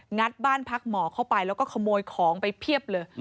ัดบ้านพักหมอเข้าไปแล้วก็ขโมยของไปเพียบเลย